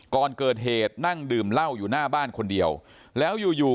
ก่อนเกิดเหตุนั่งดื่มเหล้าอยู่หน้าบ้านคนเดียวแล้วอยู่อยู่